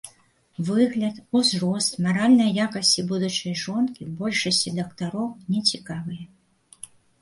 Выгляд, узрост, маральныя якасці будучай жонкі большасці дактароў не цікавыя.